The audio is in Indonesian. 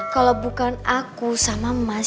kalau bukan aku sama mas